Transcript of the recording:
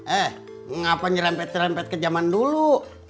eh mengapa nyerempet nyerempet ke zaman dulu